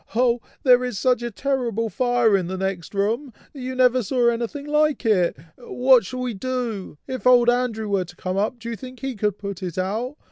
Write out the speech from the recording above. Oh! there is such a terrible fire in the next room! you never saw anything like it! what shall we do? If old Andrew were to come up, do you think he could put it out?